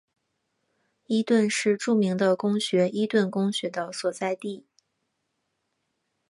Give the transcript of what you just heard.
伊顿是著名的公学伊顿公学的所在地。